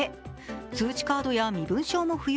通知カードや身分証も不要。